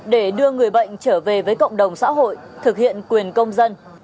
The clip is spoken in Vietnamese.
để đưa người bệnh trở về với cộng đồng xã hội thực hiện quyền công dân